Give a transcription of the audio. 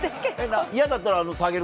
嫌だったら下げるから。